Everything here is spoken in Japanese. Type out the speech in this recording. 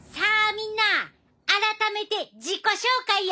みんな改めて自己紹介や！